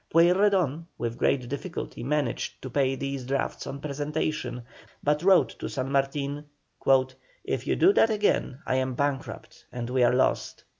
Pueyrredon, with great difficulty managed to pay these drafts on presentation, but he wrote to San Martin: "If you do that again, I am bankrupt, and we are lost."